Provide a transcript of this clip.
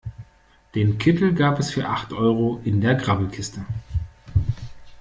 Den Kittel gab es für acht Euro in der Grabbelkiste.